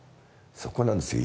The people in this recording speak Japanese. そこなんですよ